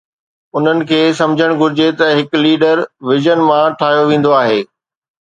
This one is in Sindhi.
انهن کي سمجهڻ گهرجي ته هڪ ليڊر وژن مان ٺاهيو ويندو آهي.